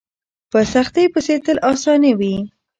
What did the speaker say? په سختۍ پسې تل اساني وي.